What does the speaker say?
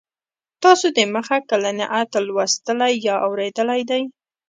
تاسو د مخه کله نعت لوستلی یا اورېدلی دی.